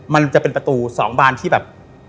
มันจะเป็นประตู๒บานที่แบบ